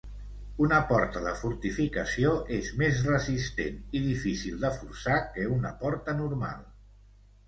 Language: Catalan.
Una porta de fortificació és més resistent i difícil de forçar que una porta normal.